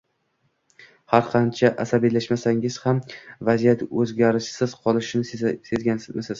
Har qancha asabiylashsangiz ham vaziyat o’zgarishsiz qolishini sezganmisiz